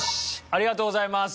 ありがとうございます！